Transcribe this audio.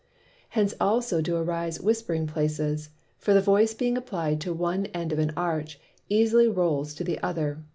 Hence also do arise Whispering Places. For the Voice being apply'd to one end of an Arch, easily rowls to the other.